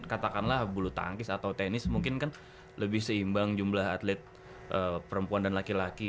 katakanlah bulu tangkis atau tenis mungkin kan lebih seimbang jumlah atlet perempuan dan laki laki